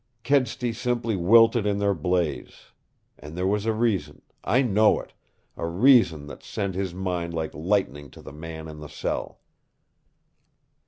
Kedsty simply wilted in their blaze. And there was a reason I know it a reason that sent his mind like lightning to the man in the cell!"